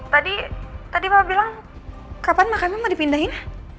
tadi tadi pak bilang kapan makamnya mau dipindahin